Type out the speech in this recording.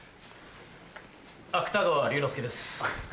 芥川龍之介です。